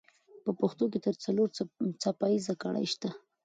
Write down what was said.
په پښتو کې تر څلور څپه ایزه ګړې شته.